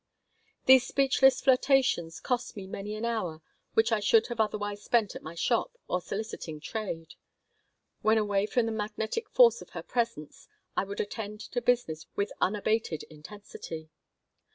These speechless flirtations cost me many an hour which I should have otherwise spent at my shop or soliciting trade. When away from the magnetic force of her presence I would attend to business with unabated intensity.